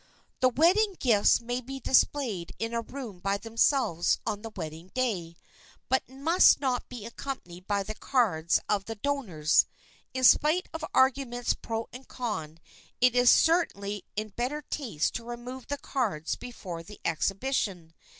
The wedding gifts may be displayed in a room by themselves on the wedding day, but must not be accompanied by the cards of the donors. In spite of arguments pro and con, it is certainly in better taste to remove the cards before the exhibition.